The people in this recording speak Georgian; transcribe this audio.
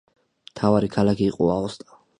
მთავარი ქალაქი იყო აოსტა.